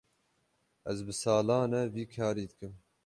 Ez bi salan e vî karî dikim.